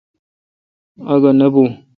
اگھہ نہ بھوں۔